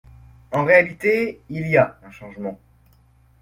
En réalité, il y a un changement.